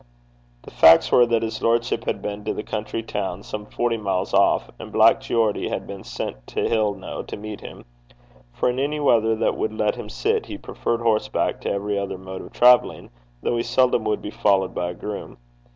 The facts were that his lordship had been to the county town, some forty miles off, and Black Geordie had been sent to Hillknow to meet him; for in any weather that would let him sit, he preferred horseback to every other mode of travelling, though he seldom would be followed by a groom.